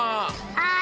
はい！